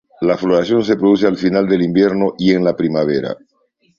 La floración se produce al final del invierno y en la primavera.